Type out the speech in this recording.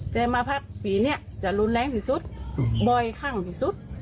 แต่มาพักปีนี้จะรุนแรงที่สุดบ่อยครั้งที่สุด